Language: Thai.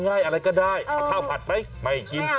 ง่ายอะไรก็ได้เอาข้าวผัดไหมไม่กิน